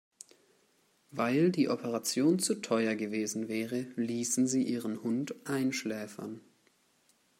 Weil die Operation zu teuer gewesen wäre, ließen sie ihren Hund einschläfern.